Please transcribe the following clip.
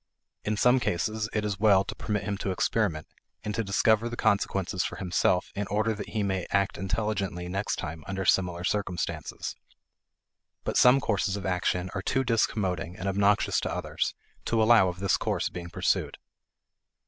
In some cases, it is well to permit him to experiment, and to discover the consequences for himself in order that he may act intelligently next time under similar circumstances. But some courses of action are too discommoding and obnoxious to others to allow of this course being pursued.